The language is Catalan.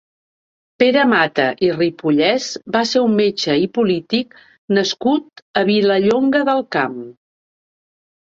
Pere Mata i Ripollès va ser un metge i polític nascut a Vilallonga del Camp.